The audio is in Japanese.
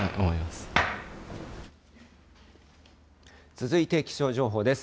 続いて気象情報です。